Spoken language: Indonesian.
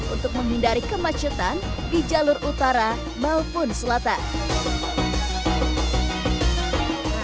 untuk menghindari kemacetan di jalur utara maupun selatan